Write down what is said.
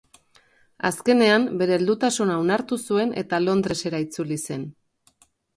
Azkenean, bere heldutasuna onartu zuen eta Londresera itzuli zen.